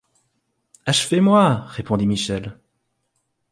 Achevez-moi! répondit Michel.